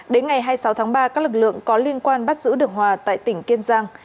đến ngày hai mươi sáu tháng ba các lực lượng có liên quan bắt giữ được hòa tại tỉnh kiên giang